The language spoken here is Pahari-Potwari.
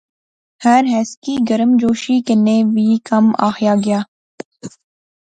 ہر ہیس کی گرمجوشی کنے ویل کم آخیا گیا